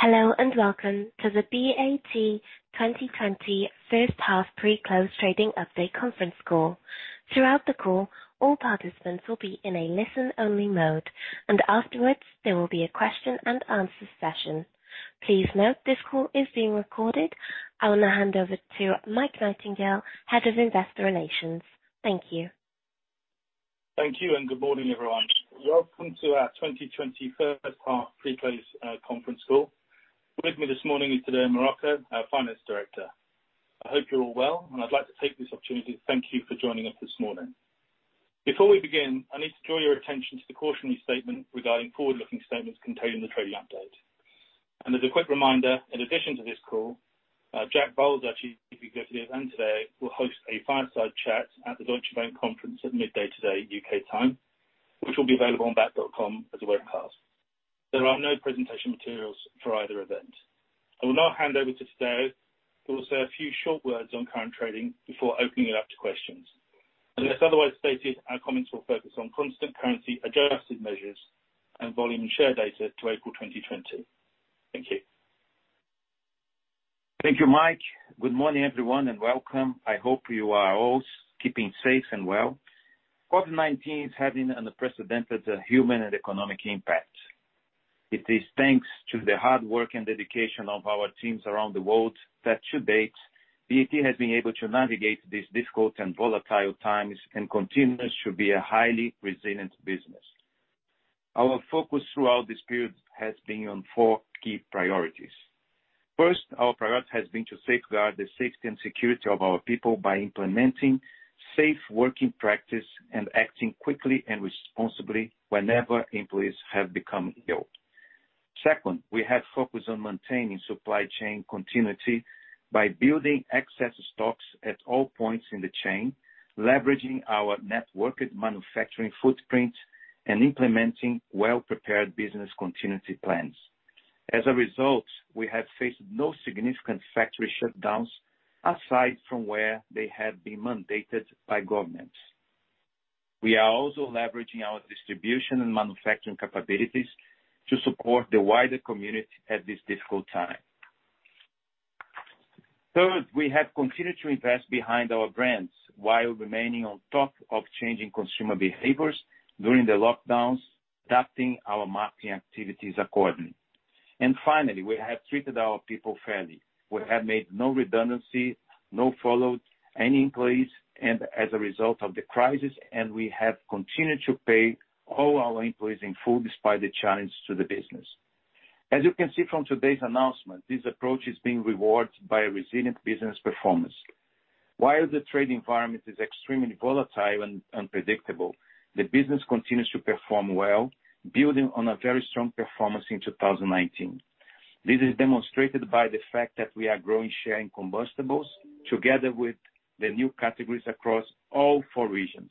Hello, and welcome to the BAT 2020 first half pre-close trading update conference call. Throughout the call, all participants will be in a listen-only mode, and afterwards, there will be a question and answer session. Please note this call is being recorded. I will now hand over to Mike Nightingale, Head of Investor Relations. Thank you. Thank you. Good morning, everyone. Welcome to our 2020 first half pre-close conference call. With me this morning is Tadeu Marroco, our Finance Director. I hope you're all well, and I'd like to take this opportunity to thank you for joining us this morning. Before we begin, I need to draw your attention to the cautionary statement regarding forward-looking statements contained in the trading update. As a quick reminder, in addition to this call, Jack Bowles, our Chief Executive Officer of the event today, will host a fireside chat at the Deutsche Bank conference at midday today, U.K. time, which will be available on bat.com as a webcast. There are no presentation materials for either event. I will now hand over to Tadeu, who will say a few short words on current trading before opening it up to questions. Unless otherwise stated, our comments will focus on constant currency-adjusted measures and volume share data to April 2020. Thank you. Thank you, Mike. Good morning, everyone, and welcome. I hope you are all keeping safe and well. COVID-19 is having an unprecedented human and economic impact. It is thanks to the hard work and dedication of our teams around the world that to date, BAT has been able to navigate these difficult and volatile times and continues to be a highly resilient business. Our focus throughout this period has been on four key priorities. First, our priority has been to safeguard the safety and security of our people by implementing safe working practice and acting quickly and responsibly whenever employees have become ill. Second, we have focused on maintaining supply chain continuity by building excess stocks at all points in the chain, leveraging our networked manufacturing footprint, and implementing well-prepared business continuity plans. As a result, we have faced no significant factory shutdowns aside from where they have been mandated by governments. We are also leveraging our distribution and manufacturing capabilities to support the wider community at this difficult time. Third, we have continued to invest behind our brands while remaining on top of changing consumer behaviors during the lockdowns, adapting our marketing activities accordingly. Finally, we have treated our people fairly. We have made no redundancy, no furloughed any employees, and as a result of the crisis, and we have continued to pay all our employees in full despite the challenge to the business. As you can see from today's announcement, this approach is being rewarded by a resilient business performance. While the trade environment is extremely volatile and unpredictable, the business continues to perform well, building on a very strong performance in 2019. This is demonstrated by the fact that we are growing share in combustibles together with the new categories across all four regions.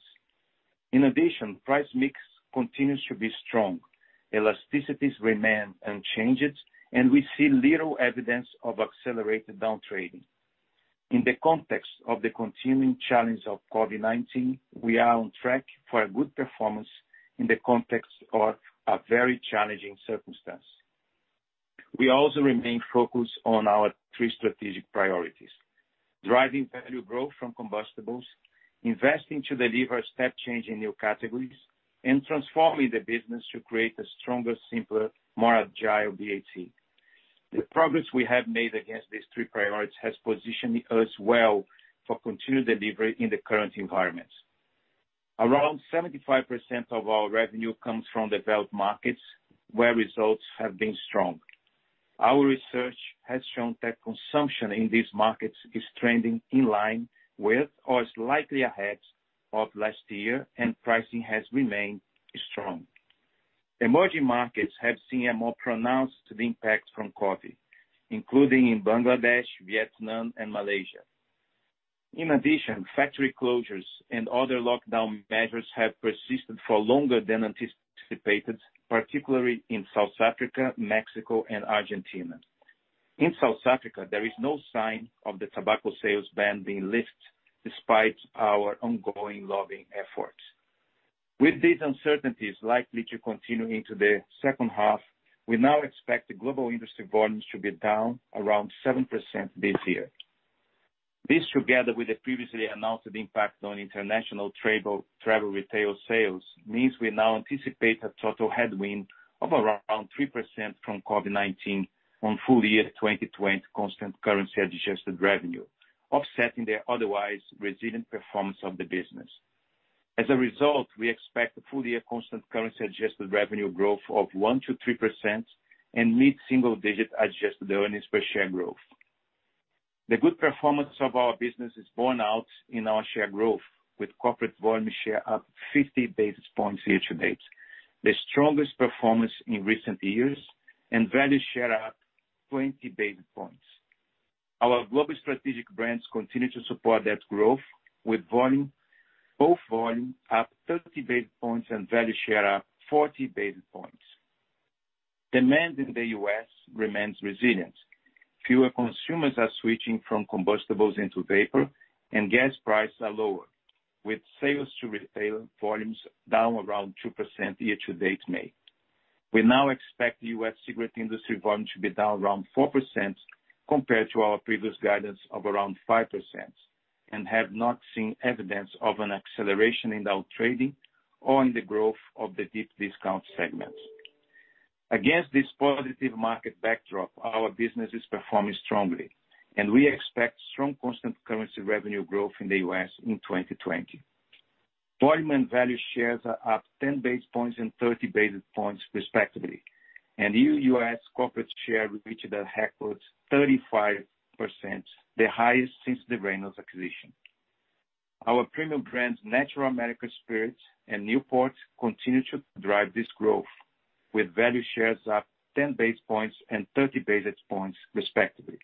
In addition, price mix continues to be strong. Elasticities remain unchanged, and we see little evidence of accelerated down trading. In the context of the continuing challenge of COVID-19, we are on track for a good performance in the context of a very challenging circumstance. We also remain focused on our three strategic priorities: driving value growth from combustibles, investing to deliver a step change in new categories, and transforming the business to create a stronger, simpler, more agile BAT. The progress we have made against these three priorities has positioned us well for continued delivery in the current environment. Around 75% of our revenue comes from developed markets, where results have been strong. Our research has shown that consumption in these markets is trending in line with or slightly ahead of last year, and pricing has remained strong. Emerging markets have seen a more pronounced impact from COVID-19, including in Bangladesh, Vietnam, and Malaysia. In addition, factory closures and other lockdown measures have persisted for longer than anticipated, particularly in South Africa, Mexico, and Argentina. In South Africa, there is no sign of the tobacco sales ban being lifted despite our ongoing lobbying efforts. With these uncertainties likely to continue into the second half, we now expect the global industry volumes to be down around 7% this year. This, together with the previously announced impact on international travel retail sales, means we now anticipate a total headwind of around 3% from COVID-19 on full-year 2020 constant currency adjusted revenue, offsetting the otherwise resilient performance of the business. As a result, we expect full-year constant currency adjusted revenue growth of 1%-3% and mid-single-digit adjusted earnings per share growth. The good performance of our business is borne out in our share growth, with corporate volume share up 50 basis points year-to-date, the strongest performance in recent years, and value share up 20 basis points. Our global strategic brands continue to support that growth, with both volume up 30 basis points and value share up 40 basis points. Demand in the U.S. remains resilient. Fewer consumers are switching from combustibles into vapor, and gas prices are lower, with sales to retail volumes down around 2% year-to-date May. We now expect the U.S. cigarette industry volume to be down around 4% compared to our previous guidance of around 5%, have not seen evidence of an acceleration in down trading or in the growth of the deep discount segment. Against this positive market backdrop, our business is performing strongly, we expect strong constant currency revenue growth in the U.S. in 2020. Volume and value shares are up 10 basis points and 30 basis points respectively, new U.S. corporate share reached a record 35%, the highest since the Reynolds acquisition. Our premium brands Natural American Spirit and Newport continue to drive this growth, with value shares up 10 basis points and 30 basis points respectively.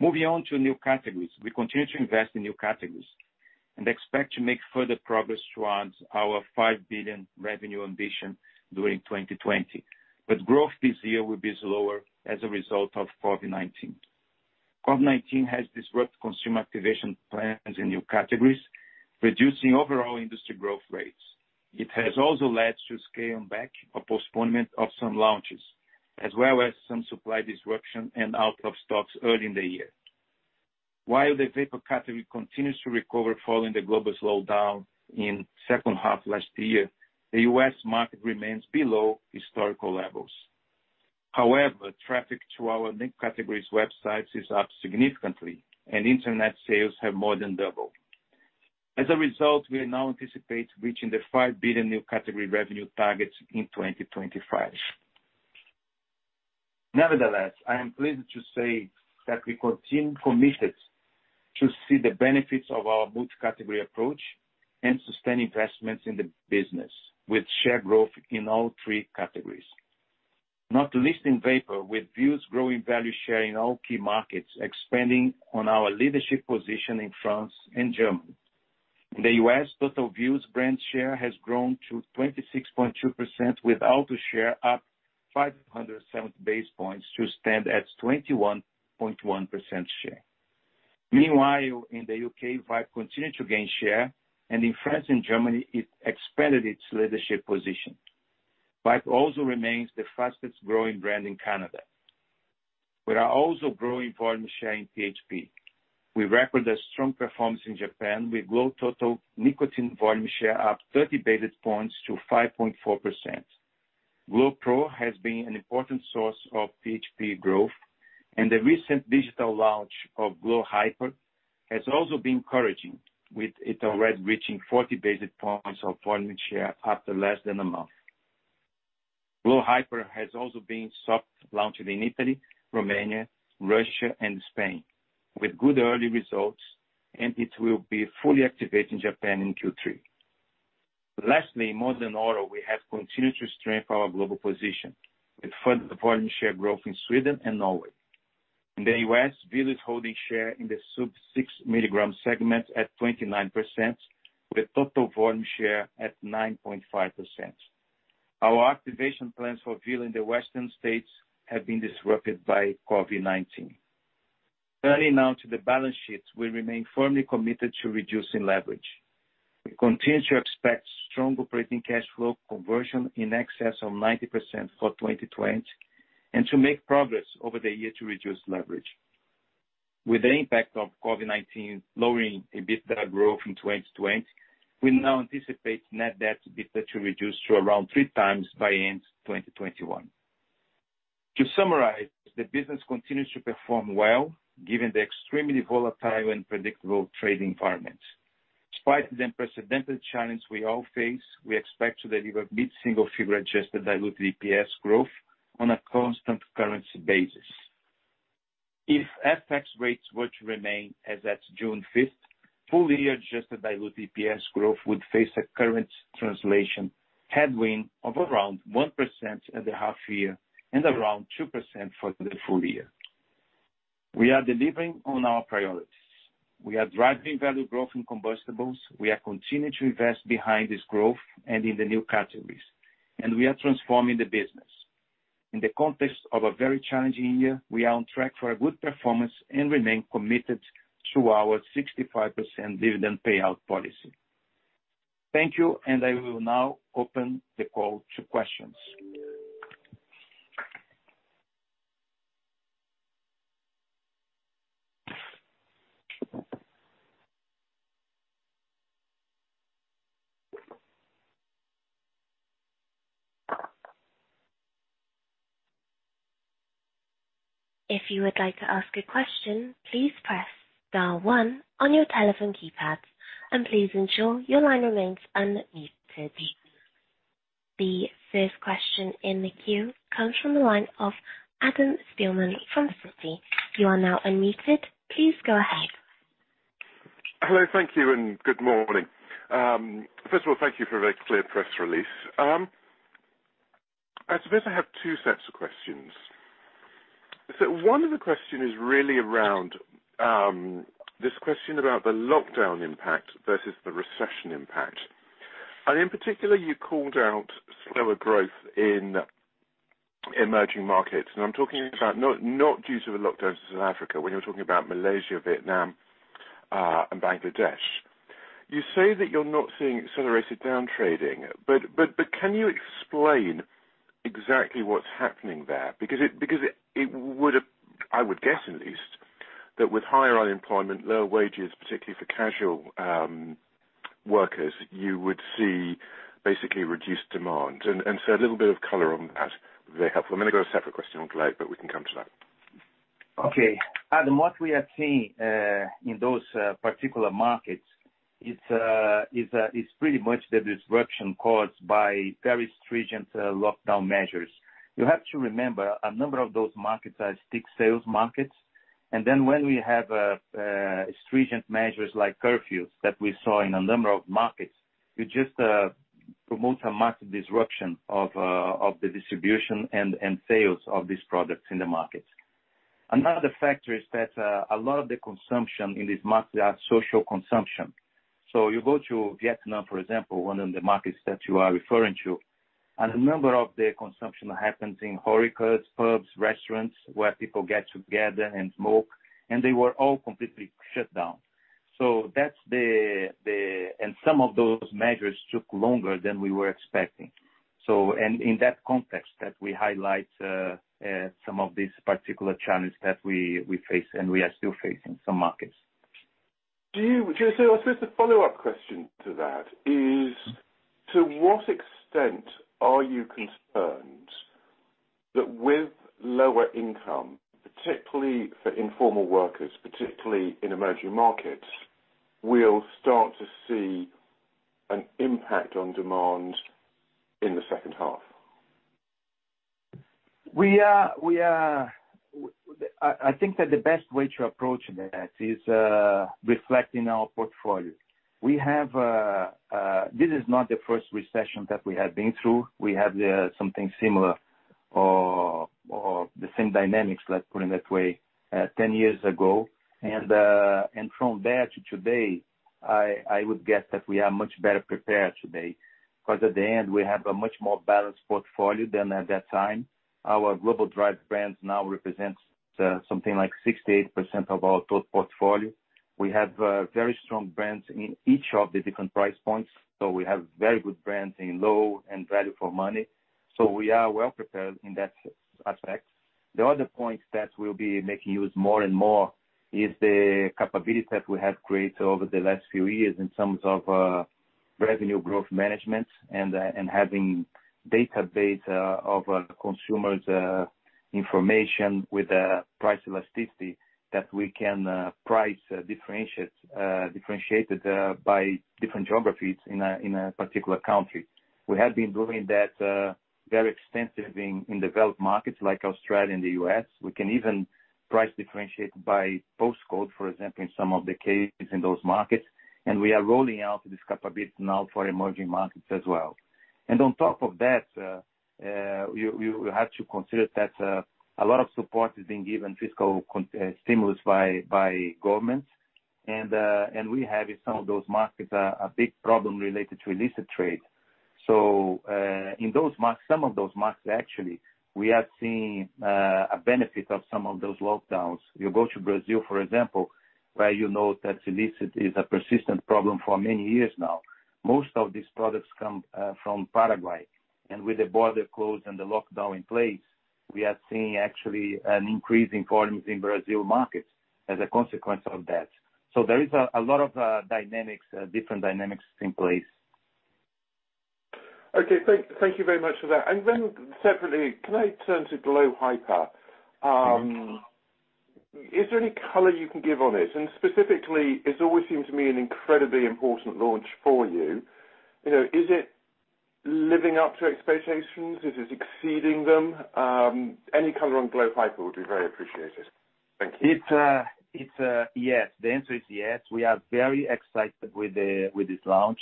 Moving on to new categories. We continue to invest in new categories, expect to make further progress towards our 5 billion revenue ambition during 2020. Growth this year will be slower as a result of COVID-19. COVID-19 has disrupted consumer activation plans in new categories, reducing overall industry growth rates. It has also led to scale back or postponement of some launches, as well as some supply disruption and out of stocks early in the year. While the vapor category continues to recover following the global slowdown in second half last year, the U.S. market remains below historical levels. However, traffic to our new categories websites is up significantly, and internet sales have more than doubled. As a result, we now anticipate reaching the 5 billion new category revenue targets in 2025. Nevertheless, I am pleased to say that we continue committed to see the benefits of our multi-category approach and sustain investments in the business with share growth in all three categories. Not least in vapor, with Vuse growing value share in all key markets, expanding on our leadership position in France and Germany. In the U.S., total Vuse brand share has grown to 26.2%, with Alto share up 570 basis points to stand at 21.1% share. Meanwhile, in the U.K., Vype continued to gain share, and in France and Germany, it expanded its leadership position. Vype also remains the fastest growing brand in Canada. We are also growing volume share in THP. We recorded a strong performance in Japan with glo total nicotine volume share up 30 basis points to 5.4%. glo Pro has been an important source of THP growth, and the recent digital launch of glo Hyper has also been encouraging, with it already reaching 40 basis points of volume share after less than a month. glo Hyper has also been soft-launched in Italy, Romania, Russia, and Spain, with good early results, and it will be fully activated in Japan in Q3. Modern Oral, we have continued to strengthen our global position with further volume share growth in Sweden and Norway. In the U.S., Vuse is holding share in the sub 6 mg segment at 29%, with total volume share at 9.5%. Our activation plans for Vuse in the Western states have been disrupted by COVID-19. Turning now to the balance sheet, we remain firmly committed to reducing leverage. We continue to expect strong operating cash flow conversion in excess of 90% for 2020 and to make progress over the year to reduce leverage. With the impact of COVID-19 lowering EBITDA growth in 2020, we now anticipate net debt to EBITDA to reduce to around 3x by end 2021. To summarize, the business continues to perform well given the extremely volatile and unpredictable trading environment. Despite the unprecedented challenge we all face, we expect to deliver mid-single-figure adjusted diluted EPS growth on a constant currency basis. If FX rates were to remain as at June 5th, full year adjusted diluted EPS growth would face a currency translation headwind of around 1% at the half year and around 2% for the full year. We are delivering on our priorities. We are driving value growth in combustibles. We are continuing to invest behind this growth and in the new categories. We are transforming the business. In the context of a very challenging year, we are on track for a good performance and remain committed to our 65% dividend payout policy. Thank you. I will now open the call to questions. If you would like to ask a question, please press star one on your telephone keypad, and please ensure your line remains unmuted. The first question in the queue comes from the line of Adam Spielman from Citi. You are now unmuted. Please go ahead. Hello. Thank you and good morning. First of all, thank you for a very clear press release. I suppose I have two sets of questions. One of the question is really around this question about the lockdown impact versus the recession impact. In particular, you called out slower growth in emerging markets, and I'm talking about not due to the lockdown in South Africa, when you're talking about Malaysia, Vietnam, and Bangladesh. You say that you're not seeing accelerated down trading, but can you explain exactly what's happening there? It would have, I would guess at least, that with higher unemployment, lower wages, particularly for casual workers, you would see basically reduced demand, and so a little bit of color on that would be very helpful. I'm going to go to a separate question on glo, but we can come to that. Okay. What we are seeing in those particular markets is pretty much the disruption caused by very stringent lockdown measures. You have to remember, a number of those markets are stick sales markets, when we have stringent measures like curfews that we saw in a number of markets, you just promote a massive disruption of the distribution and sales of these products in the markets. Another factor is that a lot of the consumption in this market are social consumption. You go to Vietnam, for example, one of the markets that you are referring to, a number of the consumption happens in HORECA pubs, restaurants, where people get together and smoke, and they were all completely shut down. Some of those measures took longer than we were expecting. In that context that we highlight some of these particular challenges that we face and we are still facing some markets. I suppose the follow-up question to that is, to what extent are you concerned that with lower income, particularly for informal workers, particularly in emerging markets, we'll start to see an impact on demand in the second half? I think that the best way to approach that is reflecting our portfolio. This is not the first recession that we have been through. We had something similar or the same dynamics, let's put it that way, 10 years ago. From there to today, I would guess that we are much better prepared today, because at the end, we have a much more balanced portfolio than at that time. Our Global Drive Brands now represents something like 68% of our total portfolio. We have very strong brands in each of the different price points. We have very good brands in low and value for money. We are well prepared in that aspect. The other point that we'll be making use more and more is the capability that we have created over the last few years in terms of revenue growth management and having database of consumers' information with price elasticity that we can price differentiate by different geographies in a particular country. We have been doing that very extensive in developed markets like Australia and the U.S. We can even price differentiate by post code, for example, in some of the cases in those markets. We are rolling out this capability now for emerging markets as well. On top of that, you have to consider that a lot of support is being given fiscal stimulus by governments. We have in some of those markets, a big problem related to illicit trade. In some of those markets actually, we have seen a benefit of some of those lockdowns. You go to Brazil, for example, where you know that illicit is a persistent problem for many years now. Most of these products come from Paraguay, and with the border closed and the lockdown in place, we are seeing actually an increase in volumes in Brazil markets as a consequence of that. There is a lot of different dynamics in place. Okay. Thank you very much for that. Separately, can I turn to glo Hyper? Is there any color you can give on it? Specifically, it's always seemed to me an incredibly important launch for you. Is it living up to expectations? Is it exceeding them? Any color on glo Hyper would be very appreciated. Thank you. Yes. The answer is yes. We are very excited with this launch.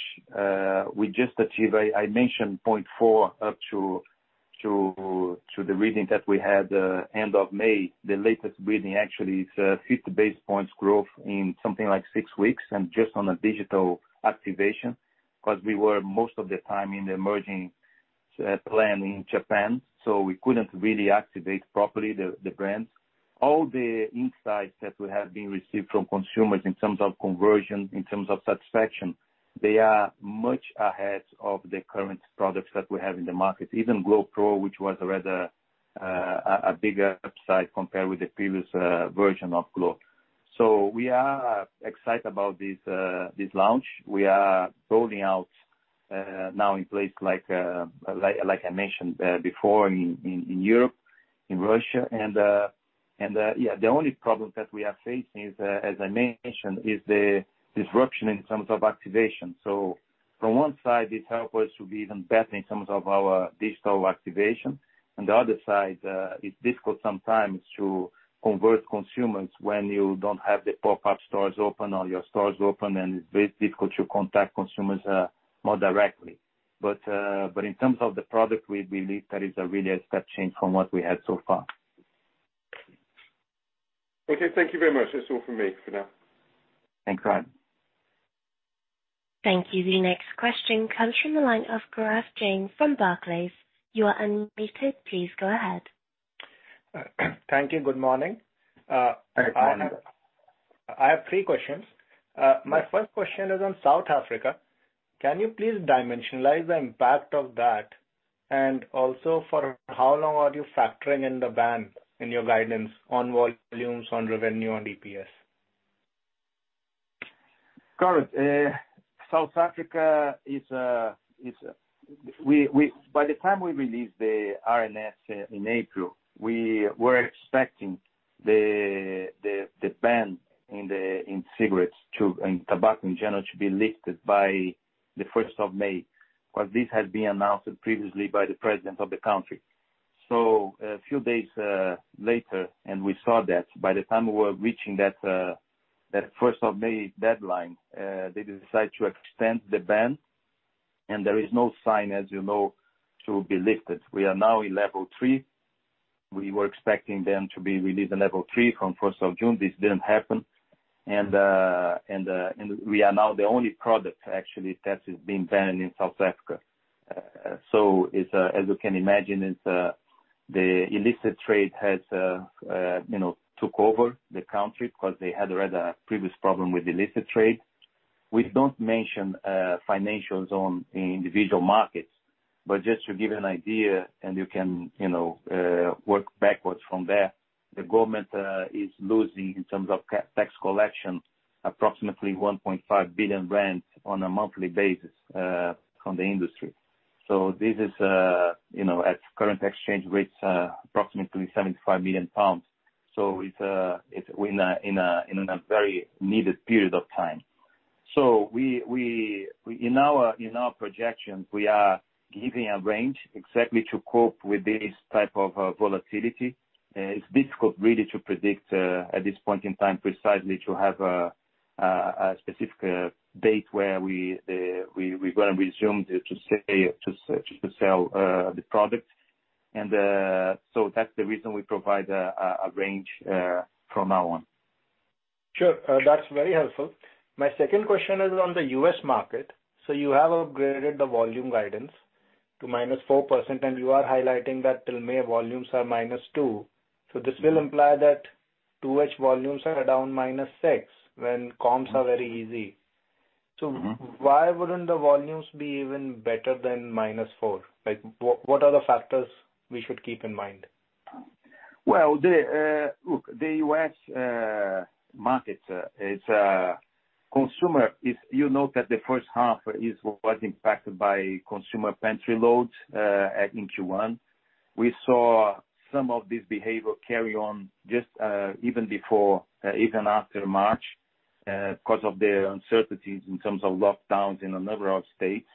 We just achieved, I mentioned 0.4 up to the reading that we had end of May. The latest reading actually is 50 basis points growth in something like six weeks and just on a digital activation, because we were most of the time in the emerging plan in Japan, so we couldn't really activate properly the brands. All the insights that we have been received from consumers in terms of conversion, in terms of satisfaction, they are much ahead of the current products that we have in the market. Even glo Pro, which was a rather a bigger upside compared with the previous version of glo. We are excited about this launch. We are rolling out now in place like I mentioned before in Europe, in Russia. The only problem that we are facing is, as I mentioned, is the disruption in terms of activation. From one side, it help us to be even better in terms of our digital activation. On the other side, it's difficult sometimes to convert consumers when you don't have the pop-up stores open or your stores open, and it's very difficult to contact consumers more directly. In terms of the product we believe that is a really a step change from what we had so far. Okay, thank you very much. That's all from me for now. Thanks. Bye. Thank you. The next question comes from the line of Gaurav Jain from Barclays. You are unmuted. Please go ahead. Thank you. Good morning. Good morning. I have three questions. My first question is on South Africa. Can you please dimensionalize the impact of that? For how long are you factoring in the ban in your guidance on volumes, on revenue, on EPS? Gaurav, South Africa, by the time we released the RNS in April, we were expecting the ban in cigarettes and tobacco in general to be lifted by the 1st of May. This had been announced previously by the president of the country. A few days later, we saw that by the time we were reaching that 1st of May deadline, they decided to extend the ban and there is no sign, as you know, to be lifted. We are now in level three. We were expecting them to release level three from 1st of June. This didn't happen. We are now the only product actually that is being banned in South Africa. As you can imagine, the illicit trade took over the country. They had already a previous problem with illicit trade. We don't mention financials on individual markets, but just to give you an idea, and you can work backwards from there, the government is losing in terms of tax collection, approximately 1.5 billion rand on a monthly basis from the industry. This is at current exchange rates approximately 75 million pounds. It's in a very needed period of time. In our projections, we are giving a range exactly to cope with this type of volatility. It's difficult really to predict at this point in time precisely to have a specific date where we're going to resume to sell the product. That's the reason we provide a range from now on. Sure. That's very helpful. My second question is on the U.S. market. You have upgraded the volume guidance to -4%, and you are highlighting that till May volumes are -2%. This will imply that 2H volumes are down -6% when comps are very easy. Why wouldn't the volumes be even better than minus four? What are the factors we should keep in mind? Look, the U.S. market, you know that the first half was impacted by consumer pantry loads in Q1. We saw some of this behavior carry on just even after March, because of the uncertainties in terms of lockdowns in a number of states.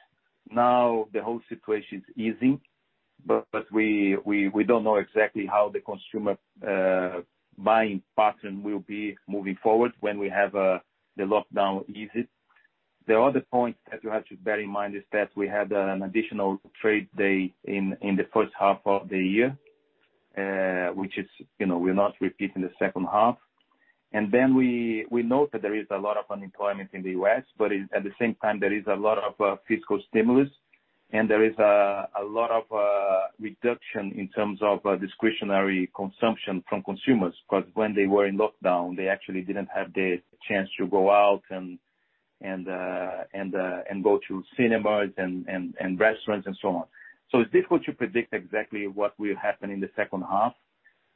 The whole situation is easing, we don't know exactly how the consumer buying pattern will be moving forward when we have the lockdown eases. The other point that you have to bear in mind is that we had an additional trade day in the first half of the year, which we're not repeating the second half. We note that there is a lot of unemployment in the U.S., but at the same time, there is a lot of fiscal stimulus and there is a lot of reduction in terms of discretionary consumption from consumers, because when they were in lockdown, they actually didn't have the chance to go out and go to cinemas and restaurants and so on. It's difficult to predict exactly what will happen in the second half.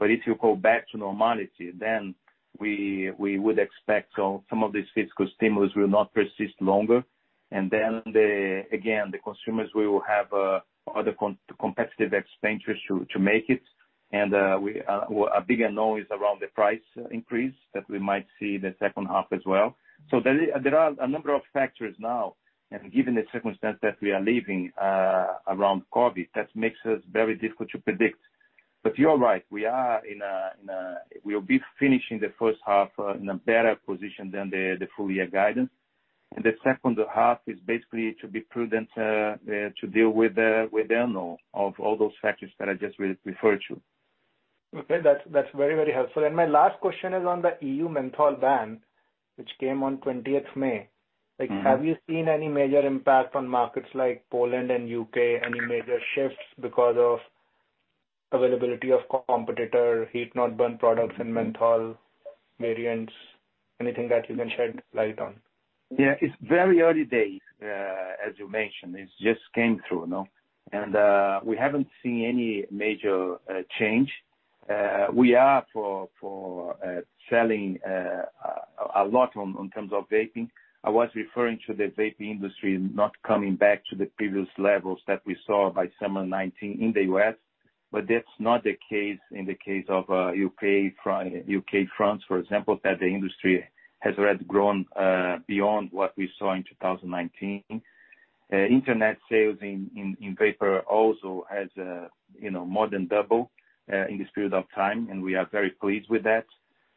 If you go back to normality, then we would expect some of this fiscal stimulus will not persist longer. Again, the consumers will have other competitive expenditures to make it. A big unknown is around the price increase that we might see in the second half as well. There are a number of factors now, and given the circumstance that we are living around COVID-19, that makes us very difficult to predict. You are right, we'll be finishing the first half in a better position than the full year guidance. The second half is basically to be prudent to deal with the unknown of all those factors that I just referred to. Okay. That's very, very helpful. My last question is on the EU menthol ban, which came on 20th May. Have you seen any major impact on markets like Poland and U.K.? Any major shifts because of availability of competitor heat not burn products and menthol variants? Anything that you can shed light on? Yeah. It's very early days, as you mentioned. It just came through. We haven't seen any major change. We are for selling a lot on terms of vapor. I was referring to the vapor industry not coming back to the previous levels that we saw by summer 2019 in the U.S. That's not the case in the case of U.K., France, for example, that the industry has already grown beyond what we saw in 2019. Internet sales in vapor also has more than double in this period of time, and we are very pleased with that.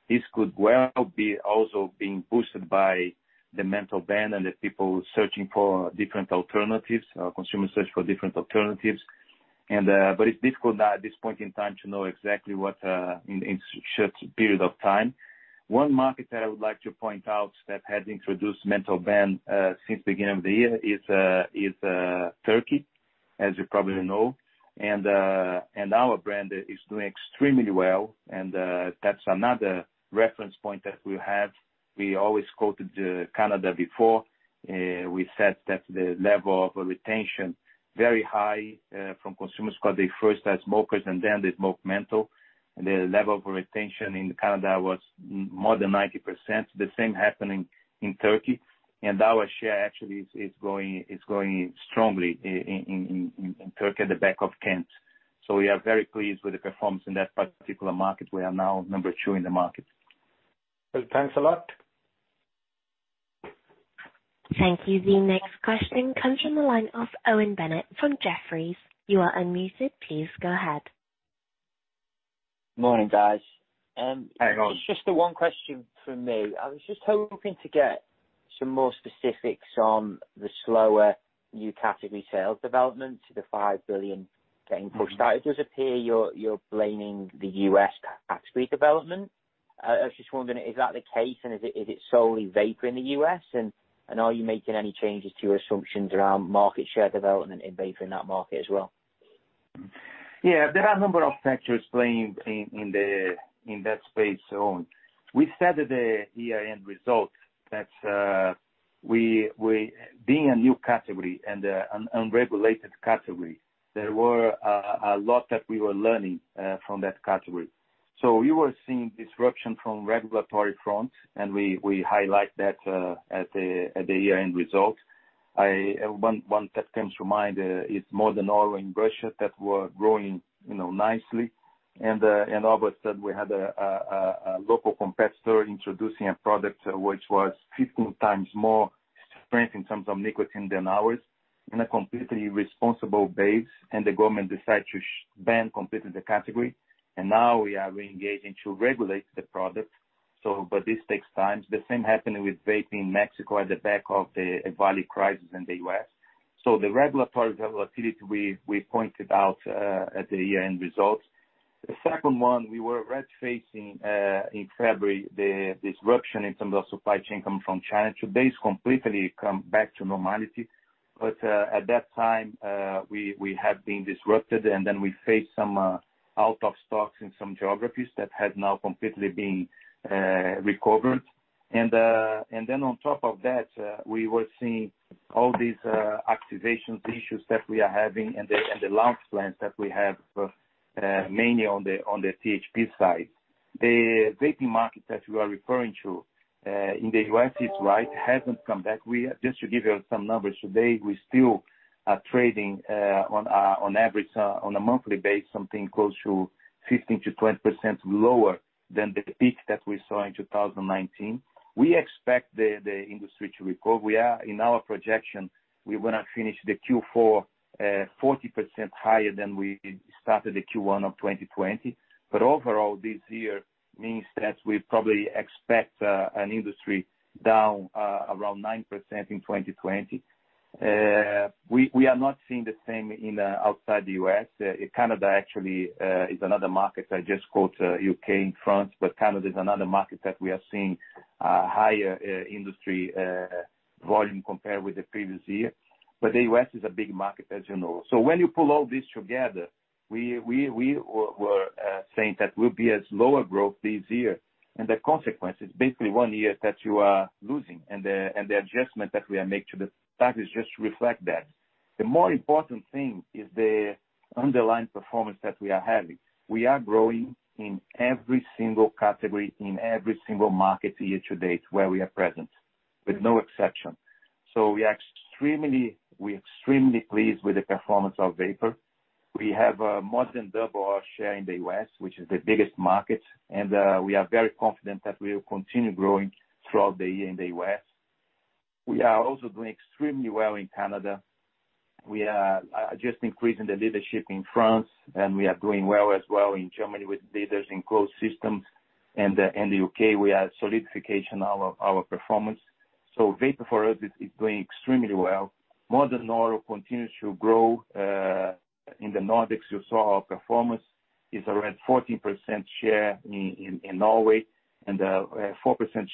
This could well be also being boosted by the menthol ban and the people searching for different alternatives, consumers search for different alternatives. It's difficult now at this point in time to know exactly what in short period of time. One market that I would like to point out that has introduced menthol ban since beginning of the year is Turkey, as you probably know. Our brand is doing extremely well, and that's another reference point that we have. We always quoted Canada before. We said that the level of retention very high from consumers because they first start smokers and then they smoke menthol. The level of retention in Canada was more than 90%. The same happening in Turkey. Our share actually is growing strongly in Turkey at the back of Kent. We are very pleased with the performance in that particular market. We are now number two in the market. Well, thanks a lot. Thank you. The next question comes from the line of Owen Bennett from Jefferies. You are unmuted. Please go ahead. Morning, guys. Hi, Owen. Just the one question from me. I was just hoping to get some more specifics on the slower new category sales development to the 5 billion gain push start. It does appear you're blaming the U.S. tax-free development. I was just wondering, is that the case and is it solely vapor in the U.S.? Are you making any changes to your assumptions around market share development in vapor in that market as well? Yeah. There are a number of factors playing in that space, Owen. We said at the year-end results that being a new category and unregulated category, there were a lot that we were learning from that category. We were seeing disruption from regulatory front, and we highlight that at the year-end results. One that comes to mind is Modern Oral in Russia that were growing nicely. As Robert said, we had a local competitor introducing a product which was 15x more strength in terms of nicotine than ours in a completely responsible base, and the government decided to ban completely the category. Now we are engaging to regulate the product, but this takes time. The same happening with vapor in Mexico at the back of the EVALI crisis in the U.S. The regulatory volatility we pointed out at the year-end results. The second one, we were red facing in February the disruption in terms of supply chain coming from China. Today it's completely come back to normality. At that time, we have been disrupted, and then we faced some out of stocks in some geographies that has now completely been recovered. On top of that, we were seeing all these activations issues that we are having and the launch plans that we have mainly on the THP side. The vaping market that you are referring to in the U.S., it's right, hasn't come back. Just to give you some numbers today, we still are trading on average on a monthly basis something close to 15%-20% lower than the peak that we saw in 2019. We expect the industry to recover. In our projection, we want to finish the Q4 40% higher than we started the Q1 of 2020. Overall, this year means that we probably expect an industry down around 9% in 2020. We are not seeing the same outside the U.S. Canada actually is another market. I just quote U.K. and France, Canada is another market that we are seeing higher industry volume compared with the previous year. The U.S. is a big market, as you know. When you pull all this together, we were saying that we'll be at lower growth this year, and the consequence is basically one year that you are losing, and the adjustment that we are make to the targets just reflect that. The more important thing is the underlying performance that we are having. We are growing in every single category, in every single market year to date where we are present with no exception. We extremely pleased with the performance of Vapor. We have more than 2x our share in the U.S., which is the biggest market, and we are very confident that we will continue growing throughout the year in the U.S. We are also doing extremely well in Canada. We are just increasing the leadership in France, and we are doing well as well in Germany with leaders in closed systems. The U.K., we are solidification our performance. Vapor for us is doing extremely well. Modern Oral continues to grow. In the Nordics, you saw our performance is around 14% share in Norway and 4%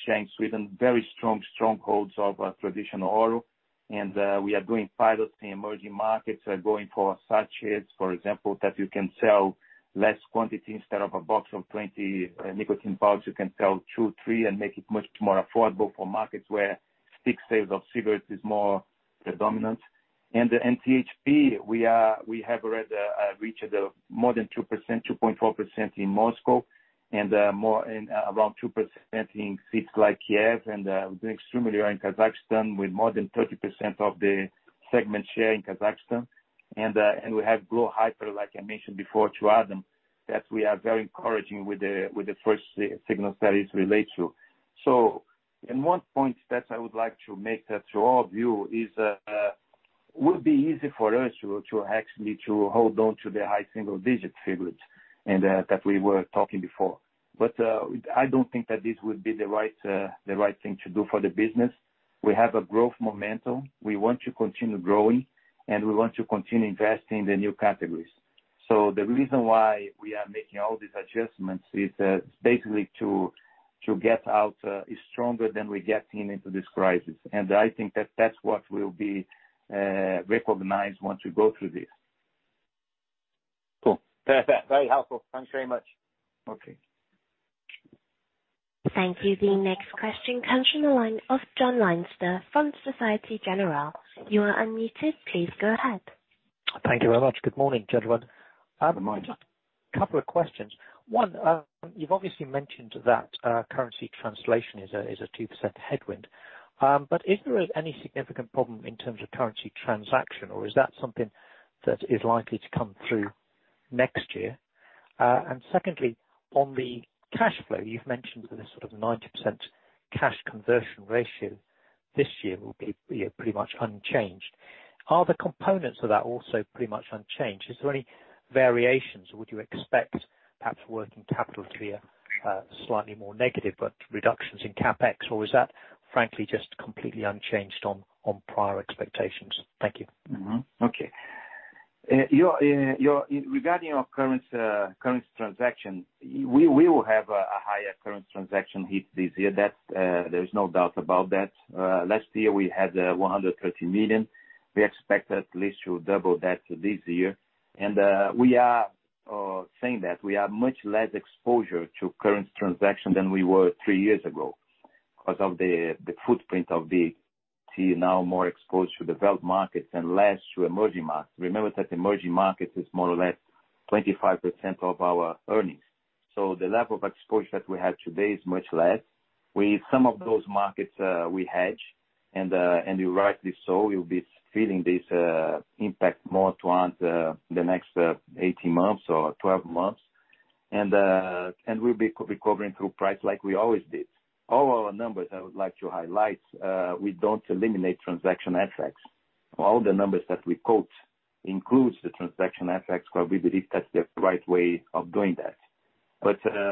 share in Sweden. Very strong holds of traditional oral. We are doing pilots in emerging markets, going for sachets, for example, that you can sell less quantity instead of a box of 20 nicotine pouch, you can sell two, three, and make it much more affordable for markets where stick sales of cigarettes is more predominant. THP, we have already reached more than 2%-2.4% in Moscow and around 2% in cities like Kiev, and we're doing extremely well in Kazakhstan with more than 30% of the segment share in Kazakhstan. We have glo Hyper, like I mentioned before to Adam, that we are very encouraging with the first signals that it relates to. One point that I would like to make that to all of you is would be easy for us to actually to hold on to the high single-digit figures and that we were talking before. I don't think that this would be the right thing to do for the business. We have a growth momentum. We want to continue growing, and we want to continue investing in the new categories. The reason why we are making all these adjustments is basically to get out stronger than we get into this crisis. I think that that's what will be recognized once we go through this. Cool. Perfect. Very helpful. Thanks very much. Okay. Thank you. The next question comes from the line of John Leinster from Societe Generale. You are unmuted. Please go ahead. Thank you very much. Good morning, gentlemen. I have a couple of questions. One, you've obviously mentioned that currency translation is a 2% headwind. Is there any significant problem in terms of currency transaction, or is that something that is likely to come through next year? Secondly, on the cash flow, you've mentioned the sort of 90% cash conversion ratio this year will be pretty much unchanged. Are the components of that also pretty much unchanged? Is there any variations or would you expect perhaps working capital to be a slightly more negative, but reductions in CapEx? Is that frankly just completely unchanged on prior expectations? Thank you. Okay. Regarding our currency transaction, we will have a higher currency transaction hit this year. There's no doubt about that. Last year, we had 130 million. We expect at least to double that this year. We are saying that we have much less exposure to currency transaction than we were three years ago because of the footprint of BAT, now more exposed to developed markets and less to emerging markets. Remember that emerging markets is more or less 25% of our earnings. The level of exposure that we have today is much less. With some of those markets we hedge, and you rightly so, you'll be feeling this impact more throughout the next 18 months or 12 months. We'll be recovering through price like we always did. All our numbers, I would like to highlight, we don't eliminate transaction effects. All the numbers that we quote includes the transaction effects because we believe that's the right way of doing that.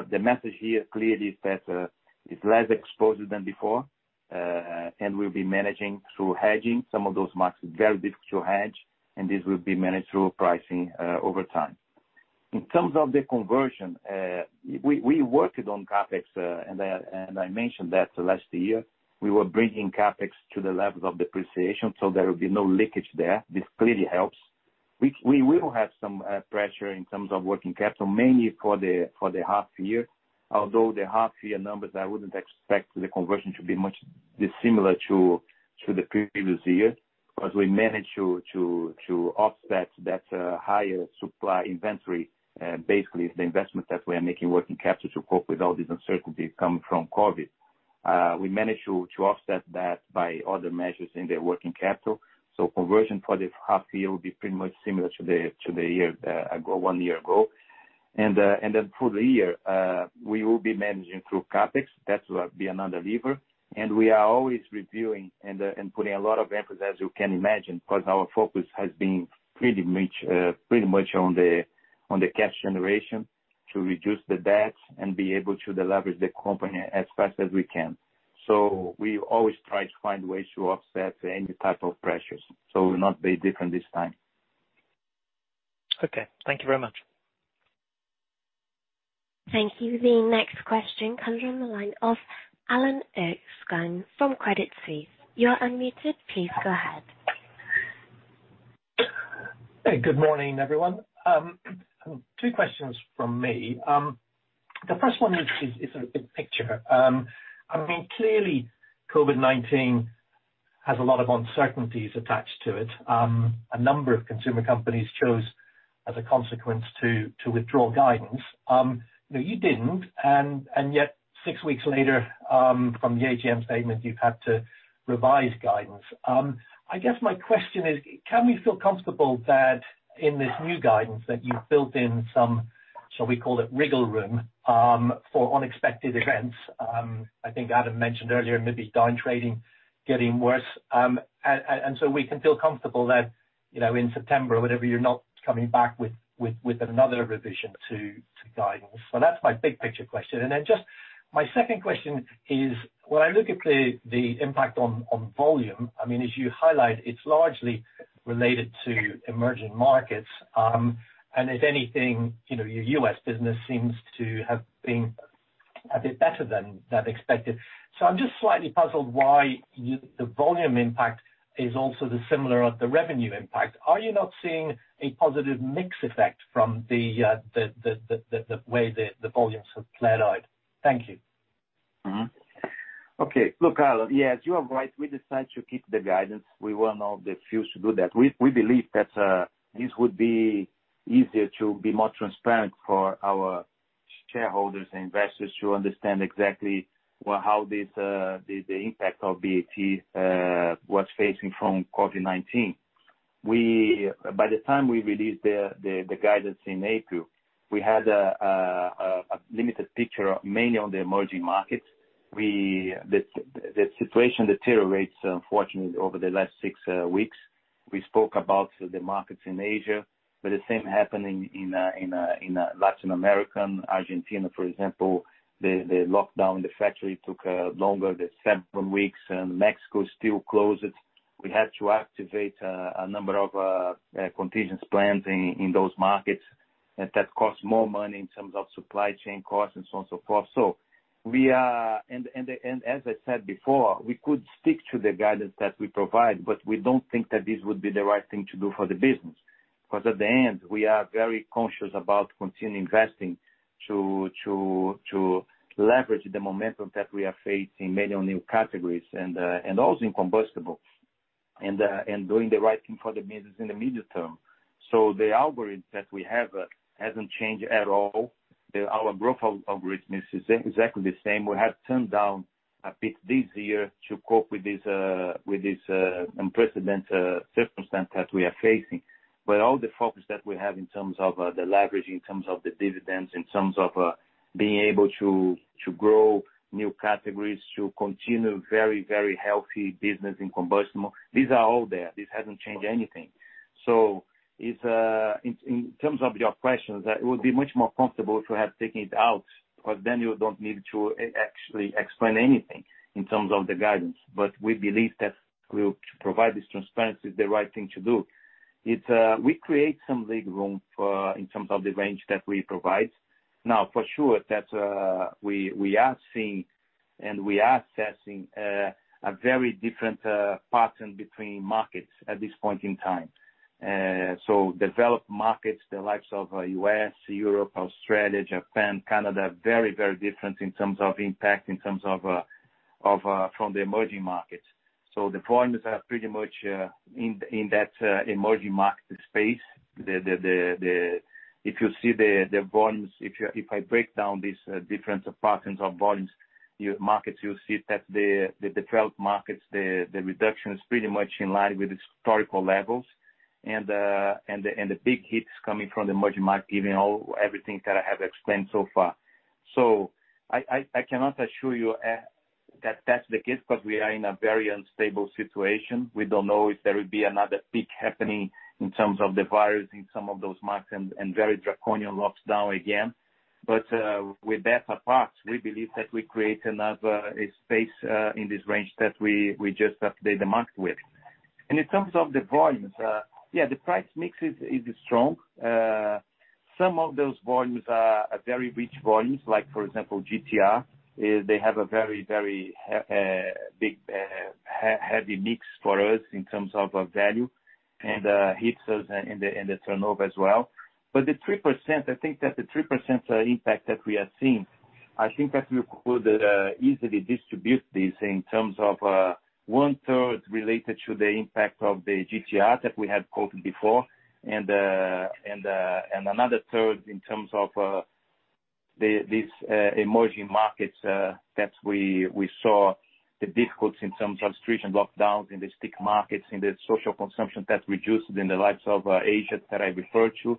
The message here clearly is that it's less exposure than before, and we'll be managing through hedging some of those markets very difficult to hedge, and this will be managed through pricing over time. In terms of the conversion, we worked on CapEx, and I mentioned that last year. We were bringing CapEx to the level of depreciation, so there will be no leakage there. This clearly helps. We will have some pressure in terms of working capital, mainly for the half year, although the half year numbers, I wouldn't expect the conversion to be much dissimilar to the previous year. We managed to offset that higher supply inventory. Basically, the investment that we are making working capital to cope with all these uncertainties coming from COVID-19. We managed to offset that by other measures in the working capital. Conversion for the half year will be pretty much similar to one year ago. Then for the year, we will be managing through CapEx. That will be another lever. We are always reviewing and putting a lot of emphasis, as you can imagine, because our focus has been pretty much on the cash generation to reduce the debt and be able to deleverage the company as fast as we can. We always try to find ways to offset any type of pressures, so it will not be different this time. Okay. Thank you very much. Thank you. The next question comes from the line of Alan Erskine from Credit Suisse. You are unmuted. Please go ahead. Hey, good morning, everyone. Two questions from me. The first one is a big picture. Clearly, COVID-19 has a lot of uncertainties attached to it. A number of consumer companies chose, as a consequence, to withdraw guidance. You didn't, yet six weeks later, from the AGM statement, you've had to revise guidance. I guess my question is, can we feel comfortable that in this new guidance that you've built in some, shall we call it wriggle room, for unexpected events? I think Adam mentioned earlier, maybe down trading getting worse. We can feel comfortable that in September or whatever, you're not coming back with another revision to guidance. That's my big picture question. Just my second question is, when I look at the impact on volume, as you highlight, it's largely related to emerging markets. If anything, your U.S. business seems to have been a bit better than expected. I'm just slightly puzzled why the volume impact is also dissimilar of the revenue impact. Are you not seeing a positive mix effect from the way the volumes have played out? Thank you. Okay. Look, Alan Erskine, yes, you are right. We decided to keep the guidance. We were one of the few to do that. We believe that this would be easier to be more transparent for our shareholders and investors to understand exactly how the impact of BAT was facing from COVID-19. By the time we released the guidance in April, we had a limited picture, mainly on the emerging markets. The situation deteriorates, unfortunately, over the last 6 weeks. We spoke about the markets in Asia, but the same happening in Latin American. Argentina, for example, the lockdown in the factory took longer, the several weeks, and Mexico is still closed. We had to activate a number of contingency plans in those markets, and that costs more money in terms of supply chain costs and so on and so forth. As I said before, we could stick to the guidance that we provide, but we don't think that this would be the right thing to do for the business. At the end, we are very conscious about continuing investing to leverage the momentum that we are facing many new categories and also in combustible. Doing the right thing for the business in the medium term. The algorithm that we have hasn't changed at all. Our growth of algorithm is exactly the same. We have toned down a bit this year to cope with this unprecedented circumstance that we are facing. All the focus that we have in terms of the leverage, in terms of the dividends, in terms of being able to grow new categories, to continue very healthy business in combustible, these are all there. This hasn't changed anything. In terms of your questions, it would be much more comfortable to have taken it out, because then you don't need to actually explain anything in terms of the guidance. We believe that to provide this transparency is the right thing to do. We create some wiggle room in terms of the range that we provide. For sure, that we are seeing and we are assessing a very different pattern between markets at this point in time. Developed markets, the likes of U.S., Europe, Australia, Japan, Canada, very different in terms of impact, in terms of from the emerging markets. The volumes are pretty much in that emerging market space. If you see the volumes, if I break down these different patterns of volumes markets, you'll see that the developed markets, the reduction is pretty much in line with historical levels. The big hits coming from the emerging market, given everything that I have explained so far. I cannot assure you that's the case, because we are in a very unstable situation. We don't know if there will be another peak happening in terms of the virus in some of those markets and very draconian lockdowns again. With that apart, we believe that we create another space in this range that we just updated the market with. In terms of the volumes, yeah, the price mix is strong. Some of those volumes are very rich volumes, like for example, GTR. They have a very big, heavy mix for us in terms of value and hits us in the turnover as well. The 3%, I think that the 3% impact that we are seeing, we could easily distribute this in terms of one-third related to the impact of the GTR that we had quoted before and another third in terms of these emerging markets that we saw the difficulties in terms of restriction lockdowns in the stick markets, in the social consumption that reduced in the likes of Asia that I referred to.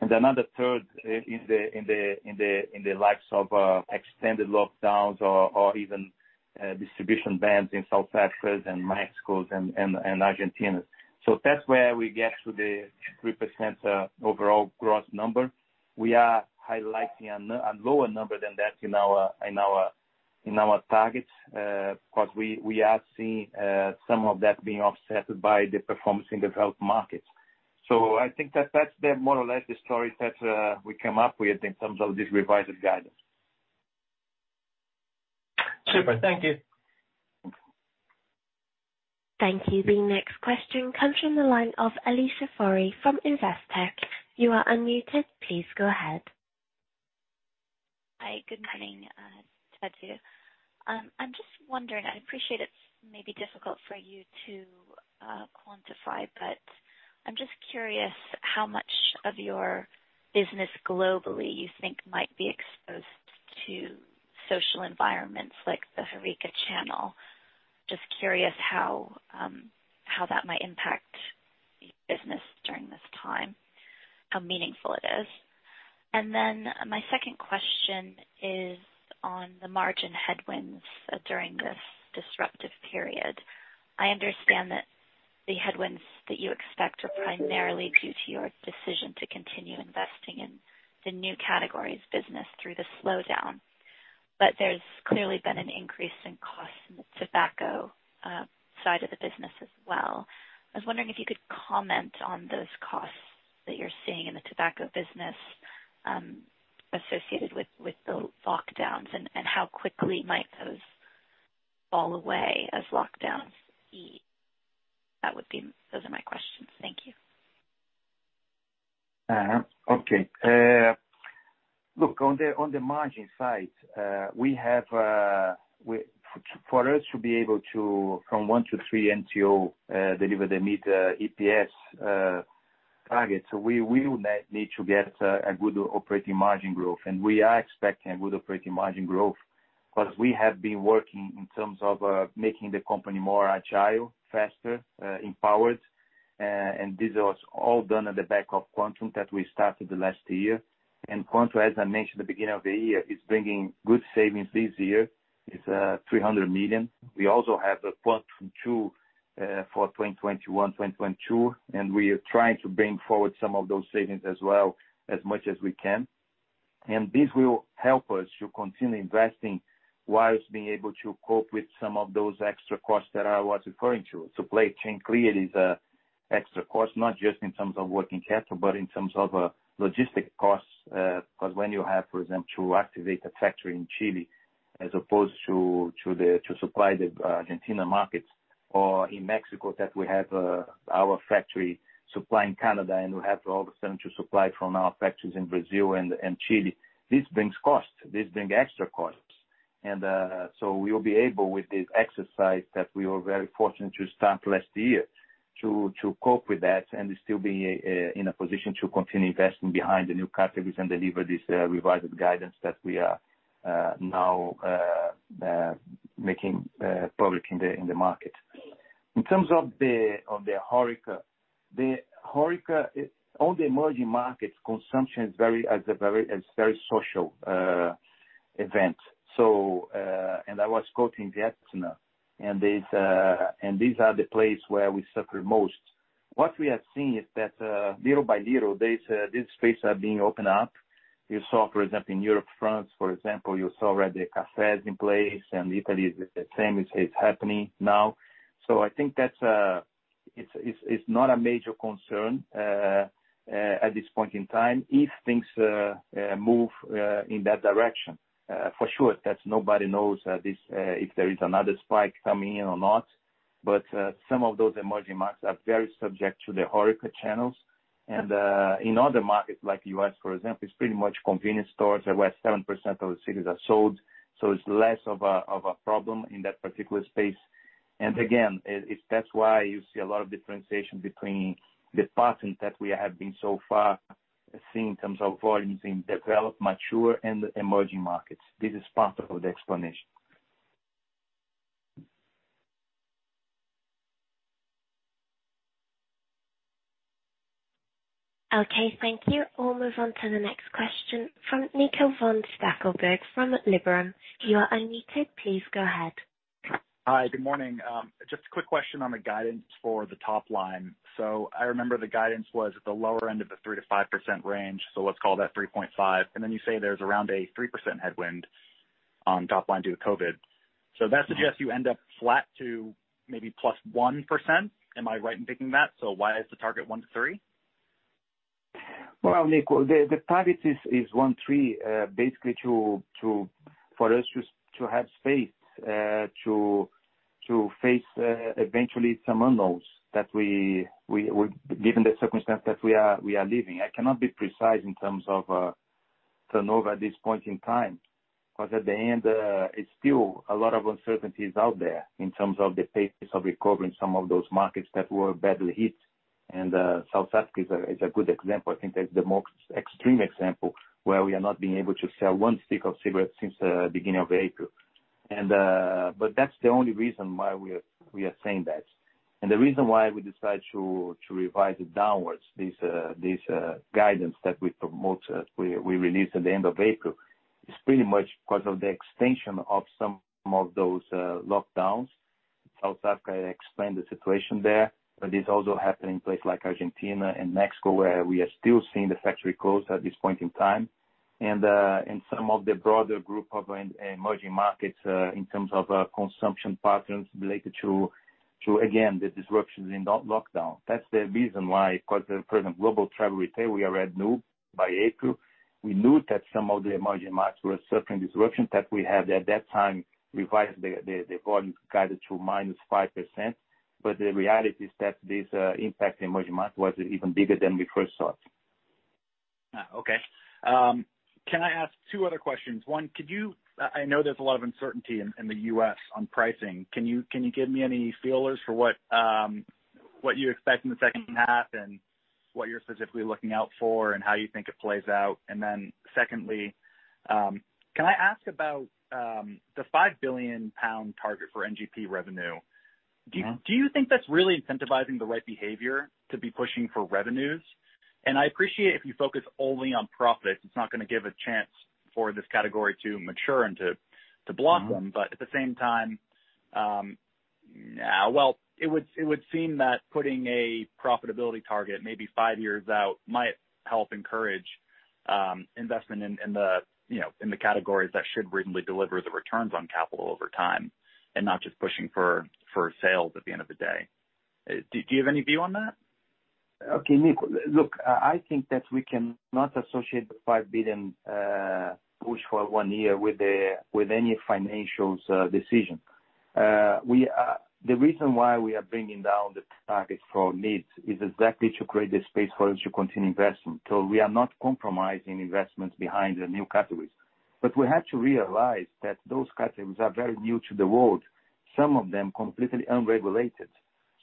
Another third in the likes of extended lockdowns or even distribution bans in South Africa, Mexico, and Argentina. That's where we get to the 3% overall gross number. We are highlighting a lower number than that in our targets, because we are seeing some of that being offset by the performance in developed markets. I think that's more or less the story that we come up with in terms of this revised guidance. Super, thank you. Thank you. The next question comes from the line of Alicia Forry from Investec. You are unmuted. Please go ahead. Hi, good morning, Tadeu. I'm just wondering, I appreciate it's maybe difficult for you to quantify, but I'm just curious how much of your business globally you think might be exposed to social environments like the HORECA channel. Just curious how that might impact your business during this time, how meaningful it is. My second question is on the margin headwinds during this disruptive period. I understand that the headwinds that you expect are primarily due to your decision to continue investing in the new categories business through the slowdown. But there's clearly been an increase in costs in the tobacco side of the business as well. I was wondering if you could comment on those costs that you're seeing in the tobacco business associated with the lockdowns, and how quickly might those fall away as lockdowns ease. Those are my questions. Thank you. On the margin side, for us to be able to, from 1-3 MTO, deliver the mid-EPS target, we will need to get a good operating margin growth. We are expecting a good operating margin growth, because we have been working in terms of making the company more agile, faster, empowered. This was all done at the back of Quantum that we started last year. Quantum, as I mentioned at the beginning of the year, is bringing good savings this year. It's 300 million. We also have a Quantum 2 for 2021-2022, we are trying to bring forward some of those savings as well, as much as we can. This will help us to continue investing while being able to cope with some of those extra costs that I was referring to. Supply chain clearly is an extra cost, not just in terms of working capital, but in terms of logistic costs, because when you have, for example, to activate a factory in Chile as opposed to supply the Argentina markets or in Mexico that we have our factory supplying Canada, and we have all of a sudden to supply from our factories in Brazil and Chile. This brings costs. This brings extra costs. We will be able, with this exercise that we were very fortunate to start last year, to cope with that and still be in a position to continue investing behind the New Categories and deliver this revised guidance that we are now making public in the market. In terms of the HORECA, all the emerging markets consumption is a very social event. I was quoting Vietnam, and these are the place where we suffer most. What we have seen is that little by little, these spaces are being opened up. You saw, for example, in Europe, France, for example, you saw already cafes in place, and Italy is the same, it's happening now. I think that it's not a major concern at this point in time if things move in that direction. For sure, nobody knows if there is another spike coming in or not, but some of those emerging markets are very subject to the HORECA channels. In other markets, like U.S., for example, it's pretty much convenience stores where 7% of the cigarettes are sold, so it's less of a problem in that particular space. Again, that's why you see a lot of differentiation between the patterns that we have been so far seeing in terms of volumes in developed, mature, and emerging markets. This is part of the explanation. Okay, thank you. We'll move on to the next question from Nico Von Stackelberg from Liberum. You are unmuted. Please go ahead. Hi, good morning. Just a quick question on the guidance for the top line. I remember the guidance was at the lower end of the 3%-5% range, let's call that 3.5%. You say there's around a 3% headwind on top line due to COVID. That suggests you end up flat to maybe +1%. Am I right in thinking that? Why is the target 1%-3%? Well, Nico, the target is 1%-3% basically for us to have space to face eventually some unknowns that given the circumstance that we are living. I cannot be precise in terms of turnover at this point in time, because at the end, it is still a lot of uncertainties out there in terms of the pace of recovering some of those markets that were badly hit. South Africa is a good example. I think that is the most extreme example where we are not being able to sell one stick of cigarette since the beginning of April. That is the only reason why we are saying that. The reason why we decided to revise it downwards, this guidance that we released at the end of April, is pretty much because of the extension of some of those lockdowns. South Africa, I explained the situation there, but it's also happening in places like Argentina and Mexico, where we are still seeing the factory closed at this point in time, and some of the broader group of emerging markets in terms of consumption patterns related to, again, the disruptions in the lockdown. That's the reason why, because for the global travel retail, we are aware by April. We knew that some of the emerging markets were suffering disruptions that we have at that time revised the volume guided to minus 5%. The reality is that this impact in emerging markets was even bigger than we first thought. Okay. Can I ask two other questions? One, I know there's a lot of uncertainty in the U.S. on pricing. Can you give me any feelers for what you expect in the second half and what you're specifically looking out for and how you think it plays out? Secondly, can I ask about the 5 billion pound target for NGP revenue. Do you think that's really incentivizing the right behavior to be pushing for revenues? I appreciate if you focus only on profits, it's not going to give a chance for this category to mature and to block them. At the same time, well, it would seem that putting a profitability target maybe five years out might help encourage investment in the categories that should reasonably deliver the returns on capital over time and not just pushing for sales at the end of the day. Do you have any view on that? Okay, Nico. Look, I think that we cannot associate the 5 billion push for one year with any financials decision. The reason why we are bringing down the target for NGP is exactly to create the space for us to continue investing. We are not compromising investments behind the new categories. We have to realize that those categories are very new to the world, some of them completely unregulated.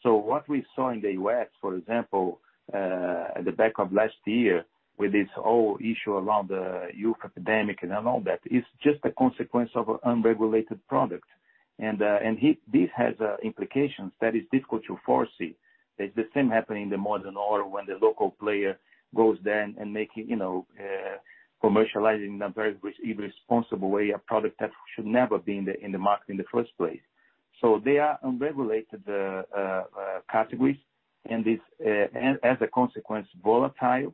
What we saw in the U.S., for example, at the back of last year with this whole issue around the youth epidemic and all that, is just a consequence of an unregulated product. This has implications that is difficult to foresee. It's the same happening in the Modern Oral, when the local player goes then and commercializing in a very irresponsible way, a product that should never be in the market in the first place. They are unregulated categories, and as a consequence, volatile,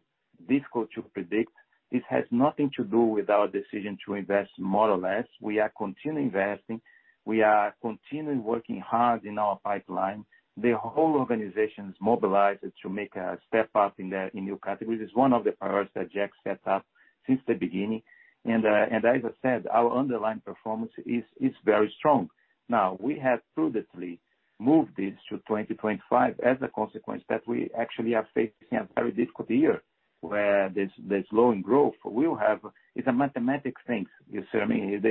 difficult to predict. This has nothing to do with our decision to invest more or less. We are continuing investing. We are continuing working hard in our pipeline. The whole organization is mobilized to make a step up in new categories. It's one of the priorities that Jack set up since the beginning. As I said, our underlying performance is very strong. Now, we have prudently moved this to 2025 as a consequence that we actually are facing a very difficult year, where there's slowing growth. It's a mathematic thing, you see what I mean?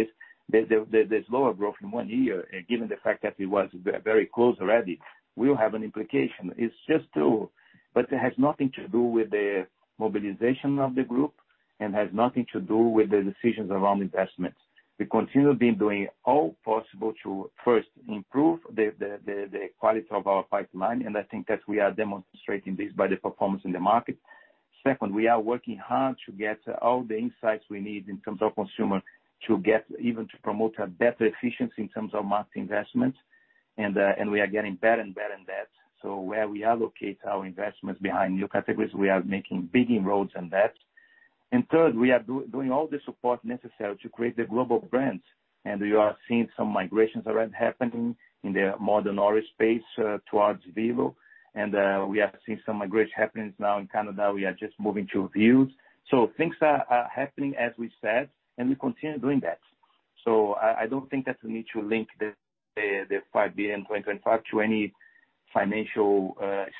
There's lower growth in one year, given the fact that it was very close already, will have an implication. It's just two. It has nothing to do with the mobilization of the group and has nothing to do with the decisions around investments. We continue doing all possible to first improve the quality of our pipeline. I think that we are demonstrating this by the performance in the market. Second, we are working hard to get all the insights we need in terms of consumer to get even to promote a better efficiency in terms of market investments. We are getting better and better in that. Where we allocate our investments behind New Categories, we are making big inroads in that. Third, we are doing all the support necessary to create the global brands. We are seeing some migrations already happening in the Modern Oral space towards Velo. We have seen some migration happening now in Canada. We are just moving to Vuse. Things are happening as we said. We continue doing that. I don't think that we need to link the 5 billion 2025 to any financial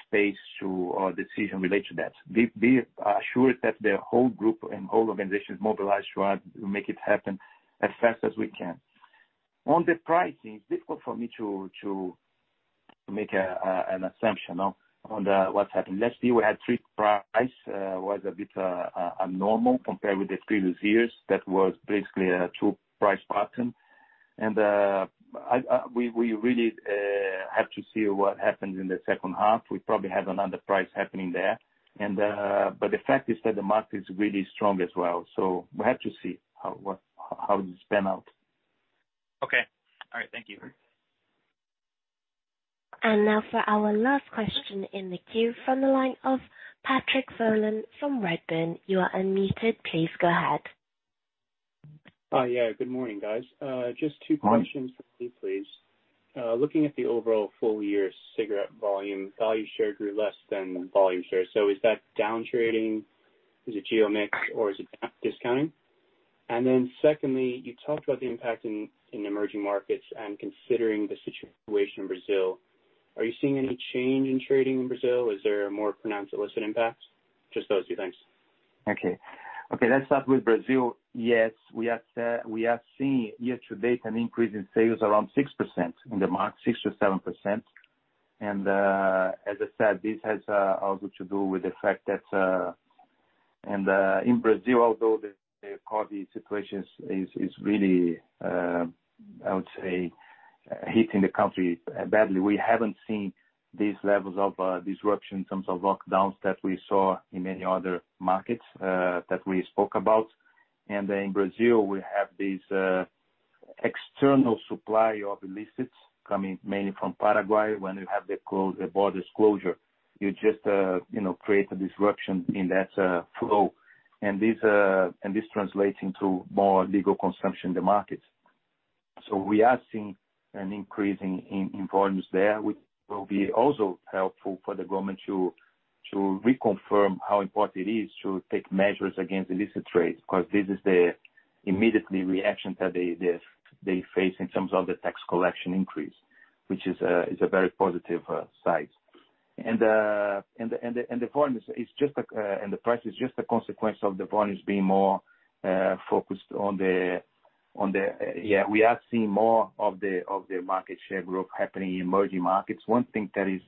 space to our decision related to that. Be assured that the whole group and whole organization is mobilized to make it happen as fast as we can. On the pricing, it's difficult for me to make an assumption on what's happened. Last year we had three price, was a bit abnormal compared with the previous years. That was basically a two price pattern. We really have to see what happens in the second half. We probably have another price happening there. The fact is that the market is really strong as well, so we have to see how this pan out. Okay. All right. Thank you. Now for our last question in the queue from the line of Patrick Folan from Redburn. You are unmuted. Please go ahead. Yeah, good morning, guys. Just two questions for me, please. Looking at the overall full year cigarette volume, value share grew less than volume share. Is that down trading? Is it geo mix or is it discounting? Secondly, you talked about the impact in emerging markets and considering the situation in Brazil, are you seeing any change in trading in Brazil? Is there a more pronounced illicit impact? Just those two things. Okay. Let's start with Brazil. Yes, we are seeing year-to-date an increase in sales around 6% in the market, 6%-7%. As I said, this has also to do with the fact that in Brazil, although the COVID situation is really, I would say, hitting the country badly, we haven't seen these levels of disruption in terms of lockdowns that we saw in many other markets that we spoke about. In Brazil, we have this external supply of illicits coming mainly from Paraguay when you have the borders closure. You just create a disruption in that flow. This translates into more legal consumption in the market. We are seeing an increase in volumes there, which will be also helpful for the government to reconfirm how important it is to take measures against illicit trade, because this is the immediate reaction that they face in terms of the tax collection increase, which is a very positive side. The price is just a consequence of the volumes being more focused. We are seeing more of the market share growth happening in emerging markets. One thing that is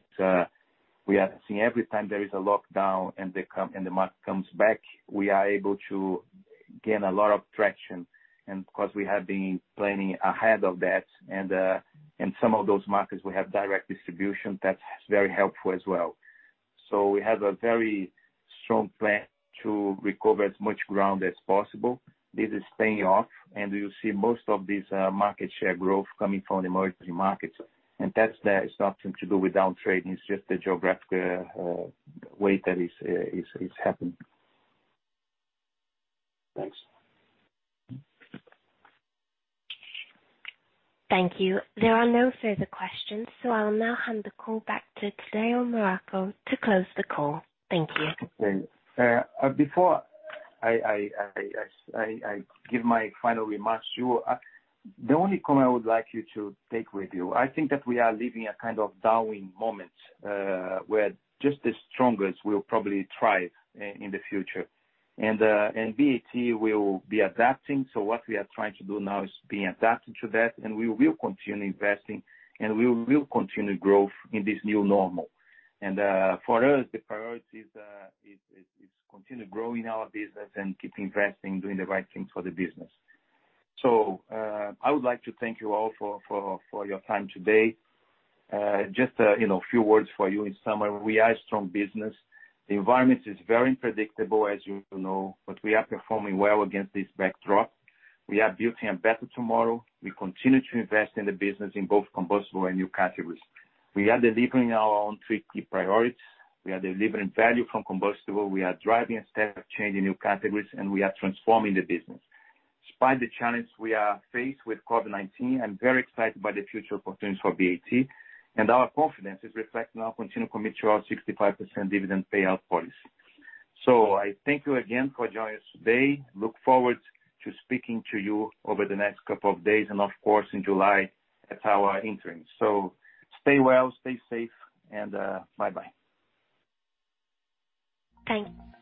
we are seeing every time there is a lockdown and the market comes back, we are able to gain a lot of traction. Because we have been planning ahead of that, and some of those markets, we have direct distribution, that's very helpful as well. We have a very strong plan to recover as much ground as possible. This is paying off. You see most of this market share growth coming from the emerging markets. That's nothing to do with down trade. It's just the geographical way that is happening. Thanks. Thank you. There are no further questions, so I'll now hand the call back to Tadeu Marroco to close the call. Thank you. Okay. Before I give my final remarks to you, the only comment I would like you to take with you, I think that we are living a kind of Darwin moment, where just the strongest will probably thrive in the future. BAT will be adapting, so what we are trying to do now is be adapting to that, and we will continue investing, and we will continue growth in this new normal. For us, the priority is continue growing our business and keep investing, doing the right thing for the business. I would like to thank you all for your time today. Just a few words for you in summary. We are a strong business. The environment is very unpredictable, as you know, but we are performing well against this backdrop. We are building a better tomorrow. We continue to invest in the business in both combustible and new categories. We are delivering our own three key priorities. We are delivering value from combustible, we are driving a step change in new categories, and we are transforming the business. Despite the challenge we are faced with COVID-19, I'm very excited by the future opportunities for BAT, and our confidence is reflected in our continued commitment to our 65% dividend payout policy. I thank you again for joining us today. Look forward to speaking to you over the next couple of days, and of course, in July at our interim. Stay well, stay safe, and bye-bye. Thanks.